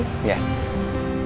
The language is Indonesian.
selamat berjalan bu